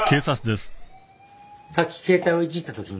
さっき携帯をいじったときにね